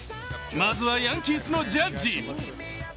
まずはヤンキースのジャッジ。